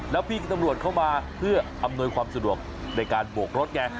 แล้วพี่ตำรวจเข้ามาเพื่ออำนวยความสะดวกในการโบกรถไง